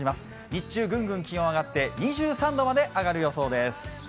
日中ぐんぐん気温が上がって２３度まで上がる予想です。